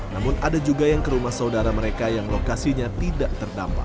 namun ada juga yang ke rumah saudara mereka yang lokasinya tidak terdampak